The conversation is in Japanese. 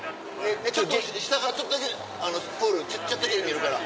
下からちょっとだけプールちょっとだけ見るから。